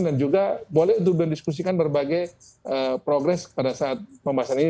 dan juga boleh untuk berdiskusikan berbagai progres pada saat pembahasan ini